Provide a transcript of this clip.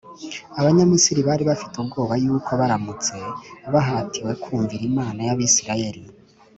abanyamisiri bari bafite ubwoba yuko baramutse bahatiwe kumvira imana y’abisiraheli,